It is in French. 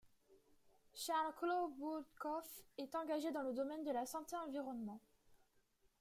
Charles Kloboukoff est engagé dans le domaine de la santé-environnement.